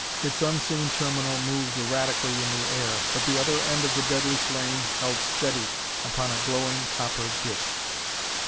Its unseen terminal moved erratically in the air, but the other end of the deadly flame held steady upon a glowing, copper disc.